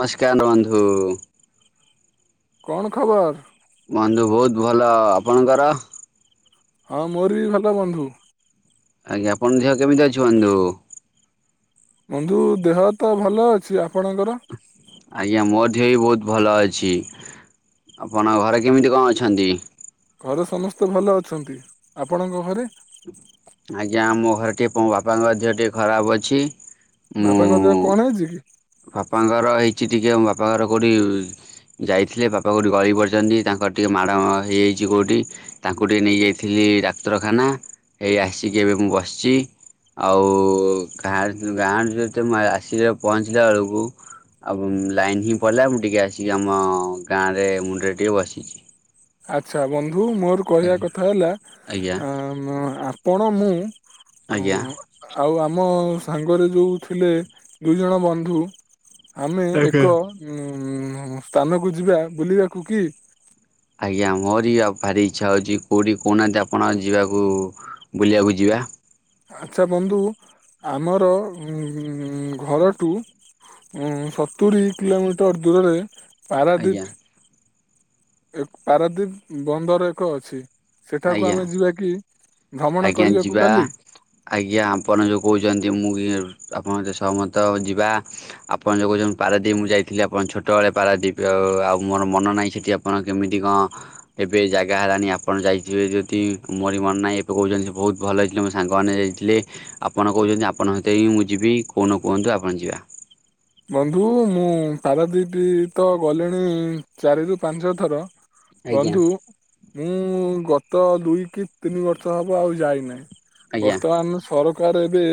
ମସ୍କାର ବନ୍ଧୁ। କଣ ଖବର? ବନ୍ଧୁ ବହୁତ ଭଲ। ଆପଣଙ୍କର? ହଁ ମୋର ବି ଭଲ ବନ୍ଧୁ। ଆଜ୍ଞା, ଆପଣଙ୍କ ଧିଅ କେମିତି ଅଛି ବନ୍ଧୁ? ବନ୍ଧୁ ଦେହ ତ ଭଲ ଅଛି। ଆପଣଙ୍କର? ଦିହ ବି ବହୁତ ଭଲ ଅଛି, ଆପଣ ଘରେ କେମିତି କଣ ଅଛନ୍ତି? ଘରେ ସମସ୍ତେ ଭଲ ଅଛନ୍ତି। ଆପଣଙ୍କ ଘରେ? ଆଜ୍ଞା ଆମୋ ଘରେ ଟିକେ ମୋ ବାପାଙ୍କ ଦିହ ଟିକେ ଖରାପ ଅଛି। ବାପାଙ୍କ ଦେହ ମୁଁ କଣ ହେଇଛି କି? ବାପାଙ୍କର ହେଇଛି ଟିକେ ଅମ ବାପାଙ୍କର କଉଠି ଯାଇଥିଲେ, ବାପା କୋଉଠି ଗଳି ପଡିଛନ୍ତି। ତାଙ୍କର ଟିକେ ମାଡ଼ ଅଁ ହେଇଯାଇଛି କୋଉଠି। ତାଙ୍କୁ ଟିକେ ନେଇ ଯାଇଥିଲି ଇ ଡାକ୍ତରଖାନା ଏଇ ଆସିକି ଏବେ ମୁଁ ବସିଚି। ଆଉ ଗାଁ ଗାଁରୁ ଯେତେ ମୁଁ ଆସି ପହଞ୍ଚିଲା କୁ ଆଉ ଲାଇନ୍ ହିଁ ପଲା ମୁଁ ଟିକେ ଆସିକି ଆମ ଗାଁରେ ମୁଣ୍ଡରେ ଟିକେ ବସିଛି। ଆଚ୍ଛା ବନ୍ଧୁ ମୋର କହିବା ଆଜ୍ଞା କଥା ହେଲା ଆଜ୍ଞା ଅଁମ ଆପଣ ମୁଁ ଆଜ୍ଞା। ହୁଁ ଆଉ ଆମ ସାଙ୍ଗରେ ଯୋଉ ଥିଲେ ଦୁଇ ଜଣ ବନ୍ଧୁ। ଆମେ ଏକ ଉଁ ସ୍ଥାନକୁ ଯିବା ବୁଲିବାକୁ କି? ଆଜ୍ଞା ମୋରି ଆଭାରି ଇଚ୍ଛା ହଉଛି, କୋଉଠି କହୁନାହାନ୍ତି? ଆପଣ ଯିବାକୁ ବୁଲିବାକୁ ଯିବା। ଆଚ୍ଛା ବନ୍ଧୁ ଉଁ ଉଁ ଆମର ଘରଠୁ ଉଁ ସତୁରି କିଲୋମିଟର ଦୂରରେ ଆଜ୍ଞା ପାରାଦୀପ୍ ଏକ୍ ପାରାଦୀପ୍ ବନ୍ଦର ଏକ ଅଛି। ସେଠାକୁ ଆଜ୍ଞା ଆମେ ଯିବା କି? ଭ୍ରମଣ ଆଜ୍ଞା କରିବାକୁ ଯିବା କାଲି ଆଜ୍ଞା ଆପଣ ଯୋଉ କହୁଛନ୍ତି ମୁଁ ଗି ଆପଣଯେ ସହମତ ଯିବା ଆପଣ ଯଉଁ [unintelligible] ପାରାଦ୍ୱୀପ ମୁଁ ଯାଇଥିଲି ଆପଣ ଛୋଟବେଳେ ପାରାଦ୍ୱୀପି ଅ ଅ ଆଉ ମୋର ମନ ନାହିଁ ସେଠି ଆପଣ କେମିତି କଣ ଏବେ ଜାଗା ହେଲାନି? ଆପଣ ଯାଇଥିବେ ଯଦି ମରି ମନ ନାହିଁ ତ କହୁଛନ୍ତି ସେ ବହୁତ ଭଲ ହେଇଥିଲେ ମୋ ସାଙ୍ଗମାନେ ଯାଇଥିଲେ, ଆପଣ କହୁଛନ୍ତି ଆପଣଙ୍କ ସାତି ହିଁ ମୁଁ ଯିବି, କଉଁ ଦିନ କୁହନ୍ତୁ? ଆପଣ ଯିବା। ବନ୍ଧୁ ମୁଁ ପାରାଦିପି ତ ଗଲିଣି ଚାରି ରରୁ ପାଞ୍ଚ ଥର। ଆଜ୍ଞା ବନ୍ଧୁ ମୁଁ ଗତ ଦୁଇ କି ତିନି ବର୍ଷ ହବ ଆଉ ଯାଇନାହିଁ। ଆଜ୍ଞା ବର୍ତ୍ତମାନ ସରକାର ଏବେ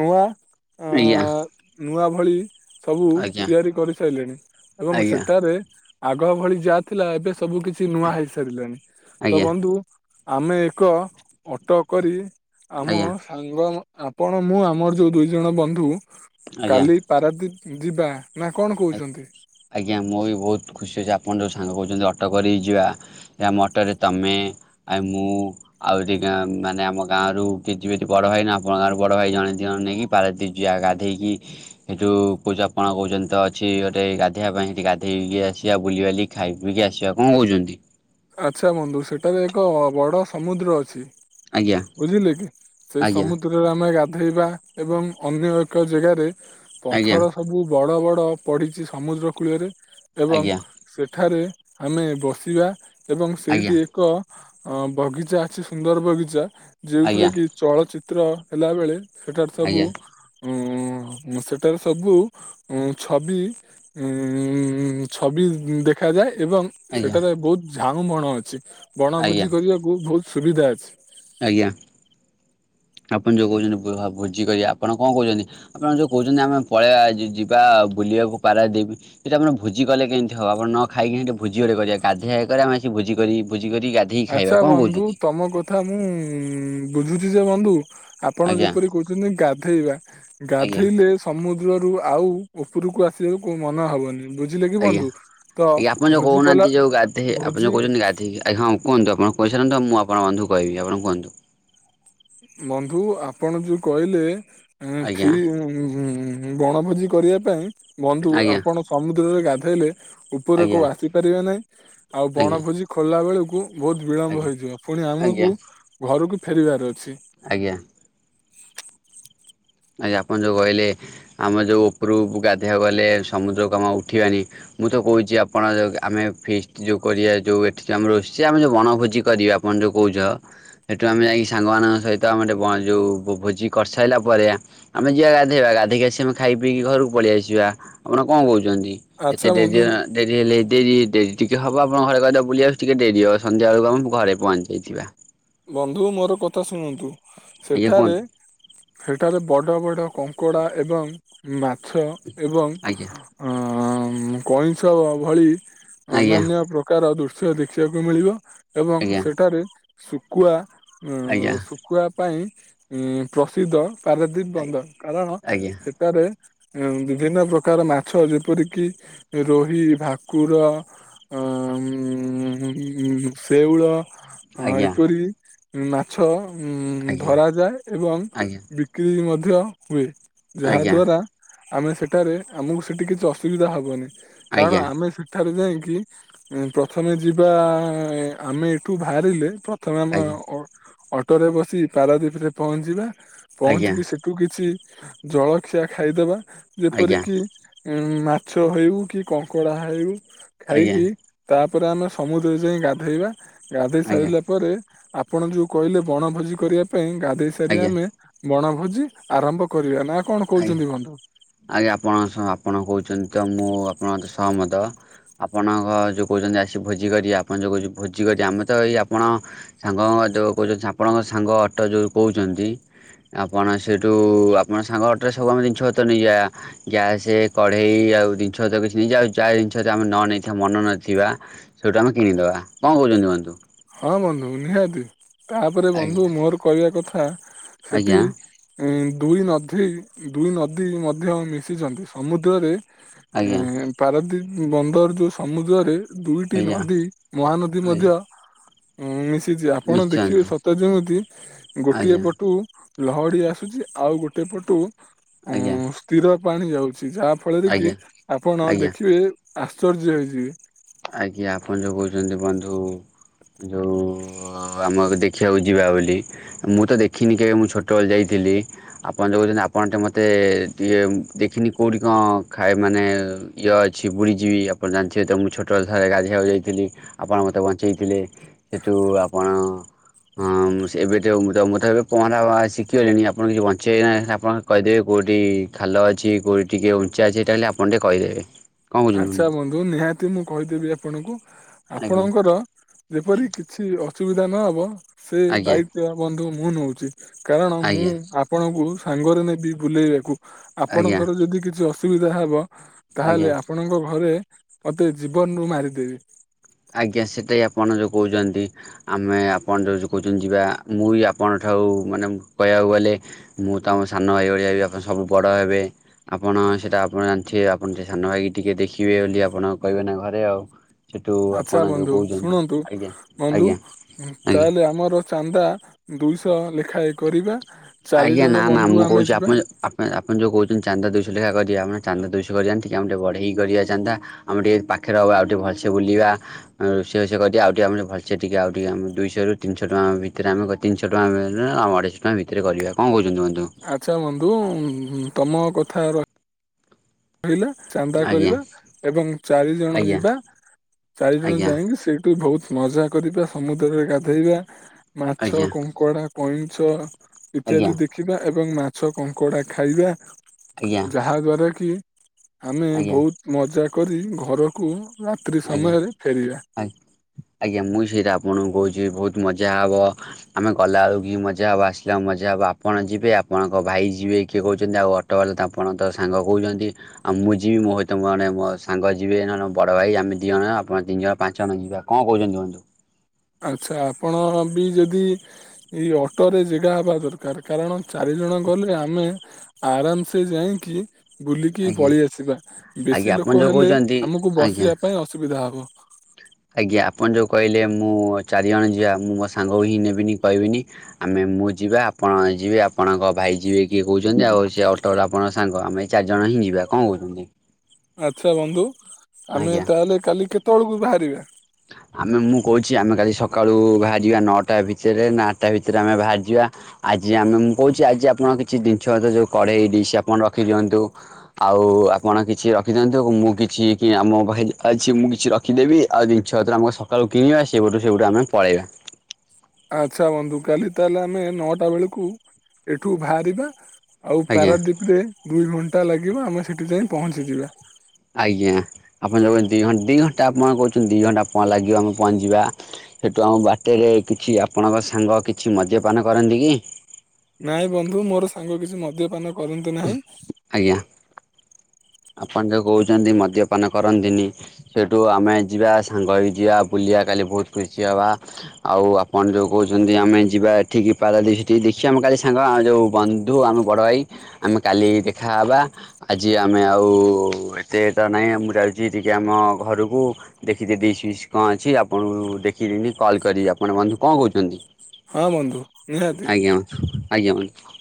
ନୂଆ। ଅ ଆଜ୍ଞା। ନୂଆ ଭଳି ସବୁ ଆଜ୍ଞା ତିଆରି କରିସାରିଲେଣି ଏବଂ ଆଜ୍ଞା ସେଠାରେ ଆଗ ଭଳି ଯାହା ଥିଲା, ଏବେ ସବୁ କିଛି ନୂଆ ହେଇ ସାରିଲାଣି ତ ଆଜ୍ଞା ବନ୍ଧୁ ଆମେ ଏକ ଅଟୋ କରି ଆମ ଆଜ୍ଞା ସାଙ୍ଗ ଆପଣ ମୁଁ ଆମର ଯେଉଁ ଦୁଇଜଣ ବନ୍ଧୁ। ଆଜ୍ଞା। ଯି ଯିବା। ନା କଣ କହୁଛନ୍ତି? ଆଜ୍ଞା ମୁଁ ବି ବହୁତ ଖୁସି ଅଛି, ଆପଣଙ୍କ ଜସ୍ ସାଙ୍ଗ କହୁଛନ୍ତି, ଅଟୋ କରି ଯିବା, ଆମ ଅଟୋରେ ତମେ, ଆଉ ମୁଁ ଆହୁ ଦିଟା ମାନେ ଆମ ଗାଁରୁ କିଛି ବିଠ ବଡ଼ ଭାଇ ନା ଆପଣଙ୍କ ଗାଁରୁ ବଡ଼ ଭାଇ ଜଣେ ଦିଜଣ ନେଇକି ପାରାଦ୍ୱୀପ ଯିବା ଗାଧୋଇକି ଏ ଯୋଉ ପୂଜାପଣ କହୁଛନ୍ତି ତ ଅଛି ଗୋଟେ ଗାଧେଇବା ପାଇଁ ସେଠି ଗାଧେଇକି ଆସିବା ବୁଲିବାଲି ଖାଇ ପକି ଆସିବା କଣ କହୁଛନ୍ତି। ଆଚ୍ଛା ବନ୍ଧୁ ସେଠାରେ ଏକ ବଡ଼ ସମୁଦ୍ର ଅଛି। ଆଜ୍ଞା ବୁଝିଲେ କି ସେଇ ଆଜ୍ଞା ସମୁଦ୍ରରେ ଆମେ ଗା ଧୋଇବା ଏବଂ ଅନ୍ୟ ଏକ ଜାଗାରେ ଆଜ୍ଞା ପଥର ସବୁ ବଡ଼ ବଡ଼ ତପ୍ ପଡିଛି ସମୁଦ୍ର କୂଳରେ ଏବଂ ଆଜ୍ଞା ସେଠାରେ ଆମେ ବସିବା। ଏବଂ ଆଜ୍ଞା ସେଇଠି ଏକ ଅ ବଗିଚା ଅଛି ସୁନ୍ଦର ବଗିଚା। ଯେଉଁଥିରେ ଆଜ୍ଞା କି ଚଳଚିତ୍ର ହେଲା ବେଳେ ସେଠାରେ ସବୁ ଆଜ୍ଞା ଉଁ ମୁଁ ସେତେବେଳେ ସବୁ ହୁଁ ଛବି ଉ ଛବି ଦେଖାଯାଏ। ଏବଂ ଆଜ୍ଞା ସେଠାରେ ବହୁତ ଝାଉଁ ବଣ ଅଛି ଆଜ୍ଞା ବଣଭୋଜି କରିବାକୁ ବହୁତ ସୁବିଧା ଅଛି। ଆଜ୍ଞା। ଆପଣ ଯୋଉ କହୁଛନ୍ତି ଭୋ ଭୋଜି କରିଆ ଆପଣ କଣ କହୁଛନ୍ତି ଆପଣ ଯୋଉ କହୁଛନ୍ତି ଆମେ ପଳେଇଆ ଯି ଯିବା ଭୋଜ୍ ବୁଲିଆକୁ ପାରାଦ୍ଵୀପ ସେଇଟା ଆପଣ ଭୋଜି କଲେ କେମିତି ହବ? ଆପଣ ନ ଖାଇକି ଭୋଜି ଗୋଟେ କରିଆ ଗାଧୋଇବା ଇଏ କରିବା ଭୋ ଭୋଜିକରି। [unintelligible] ଆଛା ବନ୍ଧୁ ତମ କଥା ମୁଁ ବୁଝୁଛି ଯେ ବନ୍ଧୁ ଆପଣ ଆଜ୍ଞା ଯେପରି କହୁଛନ୍ତି ଗାଧେଇବା ଆଜ୍ଞା ଗାଧେଇଲେ ସମୁ ଦ୍ରରୁ ଆଉ ଉପରକୁ ଆସିବାକୁ କୋଉ ମନ ହବନି। ବୁଝିଲେ କି ଆଜ୍ଞା ବନ୍ଧୁ ତ ଆଜ୍ଞା ଆପଣ ଯୋଉ ଭୋଜି କଲା କହୁନାହାନ୍ତି ଯୋଉ ଗାଧେ ଆପଣ ଭୋଜି ଯୋଉ କହୁଛନ୍ତି ଗାଧୋଇକି ଆଜ୍ଞା ହଁ। କୁହନ୍ତୁ ଆପଣ କହିସାରନ୍ତୁ ମୁଁ ଆପଣଙ୍କ ବନ୍ଧୁଙ୍କୁ କହିବି ଆପଣ କୁହନ୍ତୁ। ବନ୍ଧୁ ଆପଣ ଯୋଉ କହିଲେ ଆଜ୍ଞା [unintelligible] ବଣଭୋଜି କରିବା ପାଇଁ ବନ୍ଧୁ ଆଜ୍ଞା ଆପଣ ସମୁଦ୍ରରେ ଗାଧେଇଲେ ଉପରକୁ ଆଜ୍ଞା ଆସି ପାରିବା ନାହିଁ ଆଉ ଆଜ୍ଞା ବଣଭୋଜି ଖୋଲା ବେଳକୁ ବହୁତ ବିଳମ୍ବ ଆଜ୍ଞା ହେଇଯିବ ପୁଣି ଆଜ୍ଞା ଆମକୁ ଘରକୁ ଫେରିବାର ଅ ଆଜ୍ଞା। ଆଜ୍ଞା ଆପଣ ଯୋଉ କହିଲେ ଆମେ ଯୋଉ ଉପରୁ ଗାଧେଇବାକୁ ଗଲେ ସମୁଦ୍ରକୁ ଆମେ ଆଉ ଉଠିବାନି ମୁଁ ତ କହୁଛି ଆପଣ ଯଉ ଆମେ ଫିଷ୍ଟ ଯୋଉ କରିଆ ଯୋଉ ଏଠି ଆମେ ରୋଷେଇଆ ଆମେ ଯୋଉ ବଣଭୋଜି କରିଆ ଆପଣ ଯୋଉ କହୁଛ ସେଠୁ ଆମେ ଯାଇକି ସାଙ୍ଗମାନଙ୍କ ସହିତ ଆମେ ବନ୍ ଯୋଉ ଭୋଜି କରିସାରିଲା ପରେ ଆ ଆମେ ଯିବା ଗାଧେଇବା ଗାଧୋଇ ଆସିକି ଖାଇ ପିଇକି ଘରକୁ ପଳେଇଆସିବା ଆପଣ କଣ କହୁ ଯଦି ଆଚ୍ଛା ଏତେ ଡେରି ବନ୍ଧୁ ଡେରି ହେଲେ ଡେରି ଡେରି ଟିକେ ହବ ଆପଣ ଘରେ କହିଦେବେ ବୁଲିଆସୁଛି, ଟିକେ ଡେରି ହବ ସନ୍ଧ୍ୟା ବେଳକୁ ଆମେ ଘରେ ପହଞ୍ଚିିଯାଇଥିବା। ବନ୍ଧୁ ମୋର କଥା ଶୁଣନ୍ତୁ ଆଜ୍ଞା ସେଠାରେ କୁହନ୍ତୁ ସେଠାରେ ବଡ଼ ବଡ଼ କଙ୍କଡ଼ା ଏବଂ ମାଛ ଏବଂ ଆଜ୍ଞା ଅ କଇଁଛ ଭଳି ଆଜ୍ଞା ଅନ୍ୟାନ୍ୟ ପ୍ରକାର ଦୃ ଦୃଶ୍ୟ ଦେଖିବାକୁ ମିଳିବ ଏବଂ ଆଜ୍ଞା ସେଠାରେ ଶୁଖୁଆ ଆଜ୍ଞା ଶୁଖୁଆ ପାଇଁ ପ୍ରସିଦ୍ଧ। ପାରାଦ୍ୱୀପ ବନ୍ଦର କାରଣ ଆଜ୍ଞା ସେଠାରେ ବିଭିନ୍ନ ପ୍ରକାର ମାଛ ଯେପରିକି ରୋହି, ଭାକୁର ଉଁ - ଉଁ - ଉଁ ଶେଉଳ। ହଁ ଆଜ୍ଞା। ଏପରି ମାଛ ଉଁ ଆଜ୍ଞା ଧରାଯାଏ ଏବଂ ଆଜ୍ଞା ବିକ୍ରି ମ ମଧ୍ୟ ହୁଏ ଯାହାଦ୍ୱାରା ଆମେ ସେଠାରେ ଆମକୁ ସେଠି କିଛି ଅସୁବିଧା ହବନି। କାରଣ ଆଜ୍ଞା ଆମେ ସେଠାରୁ ଯାଇ କି ପ୍ରଥମେ ଯିବା ଆମେ ଏଠୁ ବାହାରିଲେ ପ୍ର ପ୍ରଥମେ ଆମ ଆଜ୍ଞା ଅ ଅଟୋରେ ବସି ପାରାଦ୍ଵୀପରେ ପହଞ୍ଚିବା। ଆଜ୍ଞା ପହଞ୍ଚିକି ସେଠୁ କିଛି ଜଳଖିଆ ଖାଇଦେବା ଆଜ୍ଞା ଆଜ୍ଞା ଯେପରିକି ଉ ମାଛ ହେଉ କି କଙ୍କଡ଼ା ହେଉ ଆଜ୍ଞା ଖାଇକି ତା ତା ପରେ ଆମେ ସମୁଦ୍ରରେ ଯାଇ ଗାଧେଇବା ଗାଧେଇ ଆଜ୍ଞା ସାରିଲା ପରେ ଆପଣ ଯୋଉ କହିଲେ ବଣ ଭୋଜି କରିବା ପାଇଁ ଗାଧେଇ ସାରି ଆଜ୍ଞା ଆଜ୍ଞା ଆମେ ବଣଭୋ ଭୋଜି ଆରମ୍ଭ କରିବା ନା କଣ ଆଜ୍ଞା କହୁଛନ୍ତି ବନ୍ଧୁ? ଆଜ୍ଞା ଆପଣ [unintelligible] ଆପଣ କହୁଛନ୍ତି ତ ମୁଁ ଆପଣଙ୍କ ସହମତ ଆପଣଙ୍କ ଯେଉଁ କହୁଛନ୍ତି ଆସି ଭୋଜି କରିଆ ଆପଣ ଯେଉଁ [unintelligible] ଭୋଜି କରିଆ ଆମେ ତ ଇଏ ଆପଣ ସାଙ୍ଗଙ୍କ ଯୋଉ କହୁଛ ଆପଣଙ୍କ ସାଙ୍ଗ ଅଟୋ ଯୋଉ କହୁଛନ୍ତି। ଆପଣ ସେଇଠୁ ଆପଣ ସାଙ୍ଗ ଅ ଅଟରେ ସବୁ ଆମେ ଜିନିଷପତ୍ର ନେଇଯିବା। ଗ୍ୟାସେ କଡେଇ ଆଉ ଜିନିଷପତ୍ର କିଛି ନେଇଯିବା ଆଉ ଯାହା ଜିନିଷ ଯଦି ଆମେ ନ ମନ ଇଛା ମନ ନଥିବା ସେଇଠୁ ଆମେ କିଣିଦେବା କଣ କହୁଛନ୍ତି କୁହନ୍ତୁ। ହଁ ବନ୍ଧୁ ନିହାତି ତାପରେ ବନ୍ଧୁ ଆଜ୍ଞା ମୋର କହିବା କଥା ସେଠି ଆଜ୍ଞା ଉଁ। ଦୁଇ ନଧୀ ଦୁଇ ନଦୀ ମଧ୍ୟ ମିଶିଛନ୍ତି ସମୁଦ୍ରରେ। ଆଜ୍ଞା ଏ ପାରଦୀପ ବନ୍ଦର ଯୋଉ ସମୁଦ୍ରରେ। ଦୁଇଟି ଆଜ୍ଞା ନଦୀ ମହାନଦୀ ଉଁ ମଧ୍ୟ ଆଜ୍ଞା ମିଶ ଦେଖିଛି ଆପଣ ନିଶ୍ଚୟ ଦେଖିବେ ସତ ଯେମିତି ଗୋଟିଏ ଆଣ୍ଟି ପଟୁ। ଲହଡି ଆସୁଛି ଆଉ ଗୋଟେ ପଟୁ ଆଜ୍ଞା ଉଁ ସ୍ଥିର ପାଣି ଯାଉ ଚି ଯାହା ଫଳରେ ଆଜ୍ଞା କି ଆଜ୍ଞା ଆପଣ ଆଜ୍ଞା ଦେଖିବେ ଆଶ୍ଚର୍ଯ୍ୟ ହେଇଯିବେ। ଆଜ୍ଞା ଆପଣ ଯୋଉ କହୁଛନ୍ତି ବନ୍ଧୁ। ଯୋଉ ଆମ ଦେଖିବାକୁ ଯିବା ବୋଲି ମୁଁ ତ ଦେଖିନି କେବେ ମୁଁ ଛୋଟବେଳେ ଯାଇଥି ଥିଲି ଆପଣ ଯଉ କହୁଛନ୍ତି ଆପଣ ଟେ ମୋତେ ଦିଏ ଦେଖିନି କଉଠି କ ଖାଏ ମାନେ। ୟ ଅଛି ବୁରି ଯିବି ଆପଣ ଜାଣିଥିବେ ତ ମୁଁ ଛୋ ଟ୍ରୋଲ ଥରେ ଗାଧେଇଆକୁ ଯାଇଥିଲି ଆପଣ ମୋତେ ବଞ୍ଚେଇଥିଲେ ସେଠୁ ଆପଣ। ହଁ ମୁଁ ସେ ଏବେ ତ ମୁଁ ତ ମୁଁ ତ ଏବେ ପହଁରା ଶିଖିଗଲିଣି ଆପଣ [unintelligible] ବଞ୍ଚେଇ ନା ଆପଣ କହିଦେବି ଗୁ କୋଉଠି ଖାଲ ଅଛି କୋଉଠି ଟିକେ ଉଞ୍ଚା ଅଛି ସେଟା ଖାଲି ଆପଣ ଟିକେ କହିଦେବେ। କଣ କହୁଛନ୍ତି ଆଚ୍ଛା ବନ୍ଧୁ ନିହାତି ମୁଁ କହିଦେବି ଆପଣକୁ। ଆଜ୍ଞା ଆପଣଙ୍କର ଯେପରି କିଛି ଅସୁବିଧା ନ ହବ। ସେ ଆଜ୍ଞା ଦାୟିତ୍ଵ ବନ୍ଧୁ ମୁଁ ନଉଚି କାରଣ ମୁଁ ଆଜ୍ଞା ଆପଣକୁ। ସାଙ୍ଗରେ ନେବି ବୁଲେଇବାକୁ ଆଜ୍ଞା ଆପଣଙ୍କର ଯଦି କିଛି ଅସୁବିଧା ହେବ। ଆଜ୍ଞା। ଘରେ ମତେ ଜୀବନରୁୁ ମାରିଦେବି। ଆଜ୍ଞା ସେଟା ଇ ଆପଣ ଯୋଉ କହୁଛନ୍ତି ଆମେ ଆପଣ ଯୋଉ ଯୋଉ କହୁଛନ୍ତି ଯିବା ମୁଁ ବି ଆପଣଙ୍କ ଠା ଆଉ ମାନେ କହିବାକୁ ଗଲେ ମୁଁ ତମ ସାନ ଭାଇ ଭଳିଆ ହେବି ଆପଣ ସବୁ ବଡ଼ ହେବେ ଆପଣ। ହଁ ସେଇଟା ଆପଣ ଜାଣିଥିବେ ଆପଣ ସେ ସାନ ଭାଇ କି ଟିକେ ଦେଖିବେ ବୋଲି ଆପଣ କହିବେ ନା ଘରେ ଆଉ। ସେଠୁ ଆଚ୍ଛା ଆପଣ ଯୋଉ ବନ୍ଧୁ କହୁଛନ୍ତି ଶୁଣନ୍ତୁ ଆଜ୍ଞା ବନ୍ଧୁ ଆଜ୍ଞା ଉଁ ଆଜ୍ଞା ତାହେଲେ ଆମର ଚାନ୍ଦା। ଦୁଇଶହ ଲେଖାଏ କରିବା। ଚାରି ଆଜ୍ଞା ଜଣ ନା ନା ବନ୍ଧୁ ମୁଁ ଆମେ କହୁଛି ଯିବା ଆପଣ ଜ ଆପଣ ଯୋଉ କହୁ ଚାନ୍ଦା ଦୁଇ ଶହ ଲେଖା କରିବା ଆପଣ ଚାନ୍ଦା ଦୁଇଶହ କରିବା ଏମିତି କି ଆମର ଟିକେ ବଢ଼େଇଲି କରିବା ଚାନ୍ଦା ଆମର ଟିକେ ପାଖରେ ହବ ଆଉ ଟିକେ ବ ଭଲସେ ବୁଲିବା ଅଁ ରୋଷେଇ ଫୋଷେଇ କରିବା ଆଉ ଟିକେ ଆ ମାନେ ଭଲସେ ଟିକେ ଆଉ ଟିକେ ଆମ ଦୁଇଶହରୁ ତିନିଶହ ଟଙ୍କା ଭିତରେ ଆମ ତିନିଶହ ଟଙ୍କା ନୁହେଁ ଅଢେଇଶହ ଟଙ୍କା ଭିତରେ କରିବା କଣ କହୁଛନ୍ତି ବ ଆଚ୍ଛା ବନ୍ଧୁ ତମ କଥା ର ରହିଲା ଚାନ୍ଦା ଆଜ୍ଞା କରିବା ଏବଂ ଚାରି ଜଣ ଆଜ୍ଞା ଯିବା। ଚାରି ଜଣ ଆଜ୍ଞା ଯାଇକି ସେଇଠୁ ବହୁତ। ମଜା କରିବା ସମୁଦ୍ରରେ ଗାଧେଇବା ମାଛ ଆଜ୍ଞା କଙ୍କଡ଼ା କଇଁଛ। ଆଜ୍ଞା ଇତ୍ୟାଦି ଦେଖିବା ଏବଂ ମାଛ କଙ୍କଡା ଖାଇବା ଆଜ୍ଞା ଯାହା ଦ୍ଵାରା କି। ଆମେ ଆଜ୍ଞା ବହୁତ ମଜା କରି ଘରକୁ। ରାତ୍ରି ଆଜ୍ଞା ସମୟରେ ଫେରିବା। ଆପଣ ଙ୍କୁ କହୁଛି ବହୁତ ମଜା ହେବ ଆମେ ଗଲାବେଳୁ କି ମଜା ହେବ ଆସିଲା ମଜା ହେବ ଆପଣ ଯିବେ ଆ ଆପଣଙ୍କ ଭାଇ ଯିବେ କିଏ କହୁଛନ୍ତି ଆଉ ଅଟୋବାଲା ତ ଆପଣ ତ ସାଙ୍ଗ କହୁଛନ୍ତି ଆଉ ମୁଁ ଯିବି ମୋ ସହିତ ମୋର ମୋ ସାଙ୍ଗ ଯିବେ ନହେନେ ମୋ ବଡ ଭାଇ ଆମେ ଦି ଜଣ ଆପଣ ତିନି ଜଣ ପାଞ୍ଚ ଜଣ ଯିବା କଣ କହୁଛନ୍ତି ବନ୍ଧୁ। ଆଚ୍ଛା ଆପଣ ବି ଯଦି ଏଇ ଅଟୋରେ ଜେଗା ହେବା ଦରକାର କାରଣ। ଚାରି ଜଣ ଗଲେ ଆମେ ଆରାମ ସେ ଯାଇଁକି ବୁଲିକି ଆଜ୍ଞା ପଳେଇ ଆସିବା। ଆଜ୍ଞା ବେଶୀ ଆପଣ ଲୋକ ଯୋଉ ହେଲେ କହୁଛନ୍ତି ଆମକୁ ଆଜ୍ଞା ବସିବା ପାଇଁ ଅସୁବିଧା ହବ। ଆଜ୍ଞା ଆପଣ ଯୋଉ କହିଲେ ମୁଁ ଚାରି ଜଣ ଯିଆ ମୁଁ ମୋ ସାଙ୍ଗକୁ ହିଁ ନେବିନି କହିବିନି ଆମେ ମୁଁ ଯିବା ଆପଣ ଯିବେ ଆପଣଙ୍କ ଭାଇ ଯିବେ କିଏ କହୁଛନ୍ତି ଆଉ ସେ ଅଟୋ ବାଲା ଆପଣଙ୍କ ସାଙ୍ଗ ଆମେ ଚାରିଜଣ ହିଁ ଯିବା କଣ କହୁଛନ୍ତି। ଆଚ୍ଛା ବନ୍ଧୁ ଆମେ ଆଜ୍ଞା ତାହେଲେ କାଲି କେତେବେଳକୁ ବାହାରିବା? ଆମେ ମୁଁ କହୁଛି ଆମେ କାଲି ସକାଳୁ ବାହାରିଯିବା ନଅଟା ଭିତରେ ନା ଆଠଟା ଭିତରେ ଆମେ ବାହାରିଯିବା ଆ ଆଜି ଆମେ ମୁଁ କହୁଛି ଆଜି ଆପଣ କିଛି ଜିନିଷ ପତ୍ର ଯଉ କଢ଼େଇ ଡିସ୍ ଆପଣ ରଖିଦିଅନ୍ତୁ ଆଉ ଆ ଆପଣ କିଛି ରଖିଦିଅନ୍ତୁ ମୁଁ କିଛି କି ଆ ମୋ ପାଖରେ ଅଛି ମୁଁ କିଛି ରଖିଦେବି ଆଦି ଛତ୍ର ଆମକୁ ଏକା ସକାଳୁ କିଣିବା ସେପଟୁ ସେପଟୁ ଆମେ ପଳେଇବା। ଆଚ୍ଛା ବନ୍ଧୁ କାଲି ତାହେଲେ ଆମେ ନଅଟା ବେଳକୁ ଏଠୁ ଭାରିବା। ଆଉ ଆଜ୍ଞା ପାରାଦ୍ୱୀପ୍ ରେ ଦୁଇ ଘଣ୍ଟା ଲାଗିବ ଆମେ ସେଠି ଯାଇ ପହଁଞ୍ଚିଯିବା। ଆଜ୍ଞା। ଆପଣ ଯଛନ୍ତି ଦି ଘ ଦିଇ ଘଣ୍ଟା ଆପଣ କହୁଛନ୍ତି ଦି ଘଣ୍ଟା ଆଣ ଲାଗିବ। ଆମେ ପହଞ୍ଚଯିବା ସେଠୁ ଆମ ବାଟେରେ କିଛି ଆପଣଙ୍କ ସାଙ୍ଗ କିଛି ମଜ୍ୟପାନ କରନ୍ତି କି? ନାଇଁ ବନ୍ଧୁ ମୋର ସାଙ୍ଗ କିଛି ମଦ୍ୟପାନ କରନ୍ତୁ ନାହିଁ। ଆଜ୍ଞା। ଆପଣ ଯଉ କହୁଛନ୍ତି ମଦ୍ୟପାନ କରନ୍ତିନି। ସେଠୁ ଆମେ ଯିବା ସାଙ୍ଗ ହେଇ ଯିବା ବୁଲି ଯିବା କାଲି ବହୁତ ଖୁସି ହବା। ଆଉ ଆପଣ ଯୋଉ କହୁଛନ୍ତି ଆମେ ଯିବା ଏଠିକି ପାରାଦ୍ୱିପ୍ ଠିକି ଦେଖିବା। ଆମେ କାଲି ସାଙ୍ଗ ଆମ ଯୋଉ ବନ୍ଧୁ ଆମ ବଡ ଭାଇ ଆମେ କାଲି ଦେଖାହବା। ଆଜି ଆ ଆମେ ଆଉ ଏତେ ତ ନାହିଁ ମୁଁ ଯାଉଛି ଟିକେ ଆମ ଘରୁକୁ ଦେଖିକି ଡିଶ୍ ବିସ୍ କଣ କ ଅଛି ଆପଣଙ୍କୁ ଦେଖିଦିନି କଲ୍ କରିି ଆପଣ ବନ୍ଧୁ କଣ କହୁଛନ୍ତି। ହଁ ବନ୍ଧୁ ନିହାତି। ଆଜ୍ଞା ଆଜ୍ଞା ବନ୍ଧୁ।